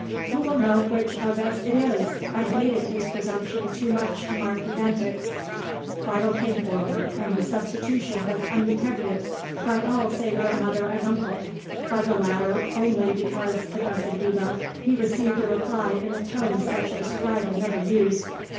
"Who will know which of us it is? I hated his presumption too much to mark his antics." Friedel came forward, and the substitution was undetected by all save their mother and uncle; by the latter only because, addressing Ebbo, he received a reply in a tone such as Friedel never used.